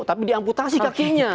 tapi di amputasi kakinya